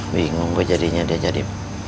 bingung kok jadinya dia jadi